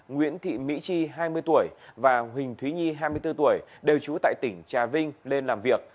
nguyễn thị mỹ chi hai mươi tuổi và huỳnh thúy nhi hai mươi bốn tuổi đều trú tại tỉnh trà vinh lên làm việc